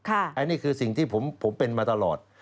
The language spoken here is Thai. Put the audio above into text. อันนี้คือสิ่งที่ผมเป็นมาตลอด